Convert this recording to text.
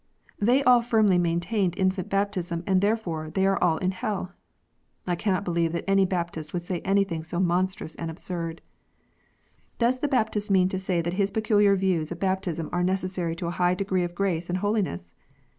They all firmly maintained infant baptism, and therefore they are all in hell! I cannot believe that any Baptist would say anything so monstrous and absurd. Does the Baptist mean to say that his peculiar views of baptism are necessary to a high degree of grace and holiness